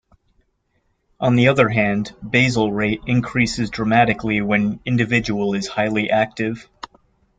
On the other hand, basal rate increases dramatically when an individual is highly active.